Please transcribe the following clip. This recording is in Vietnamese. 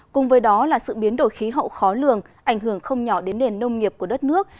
cùng với đó là sự biến đổi khí hậu khó lường ảnh hưởng không nhỏ đến nền nông nghiệp của đất nước